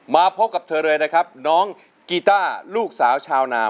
มาพบกับเธอเลยนะครับน้องกีต้าลูกสาวชาวนา